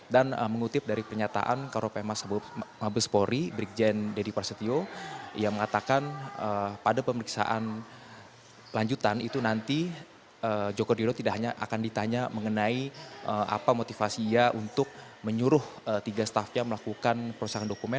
dan mengutip dari pernyataan karopema sabu mabespori brigjen dedy prasetyo yang mengatakan pada pemeriksaan lanjutan itu nanti joko driono tidak hanya akan ditanya mengenai apa motivasi ia untuk menyuruh tiga staffnya melakukan perusakan dokumen